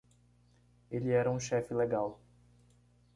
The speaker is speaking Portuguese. Ele era um chefe legal.